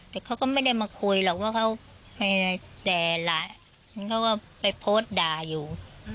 แต่เขาก็ไม่ได้มาคุยหรอกว่าเขาไปโพสต์ด่าอยู่